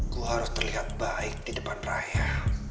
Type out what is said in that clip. ku harus terlihat baik di depan raya